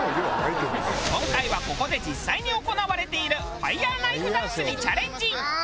今回はここで実際に行われているファイヤーナイフダンスにチャレンジ！